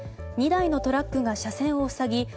２台のトラックが車線を塞ぎ